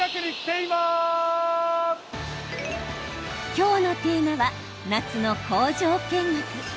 今日のテーマは夏の工場見学。